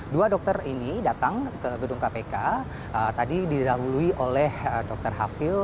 dua dokter ini datang ke gedung kpk tadi didahului oleh dr hafil